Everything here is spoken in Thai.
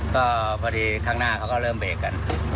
ก็พอดีข้างหน้าเขาก็เริ่มเบรกกัน